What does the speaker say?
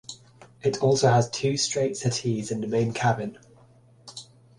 It also has two straight settees in the main cabin.